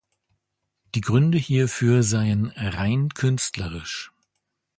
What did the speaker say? Die Gründe hierfür seien „rein künstlerisch“.